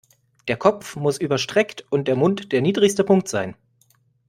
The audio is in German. Der Kopf muss überstreckt und der Mund der niedrigste Punkt sein.